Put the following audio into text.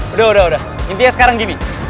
udah udah intinya sekarang gini